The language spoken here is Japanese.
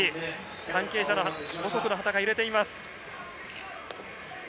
関係者の旗が揺れています。